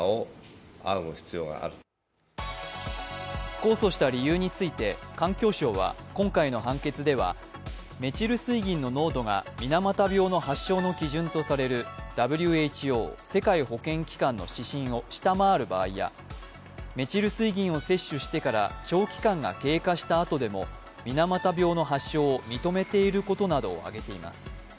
控訴した理由について環境省は、今回の判決ではメチル水銀の濃度が水俣病の発症の基準とされるＷＨＯ＝世界保健機関の指針を下回る場合やメチル水銀を摂取してから長期間が経過したあとでも水俣病の発症を認めていることなどを挙げています。